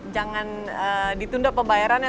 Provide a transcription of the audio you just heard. jangan ditunda pembayarannya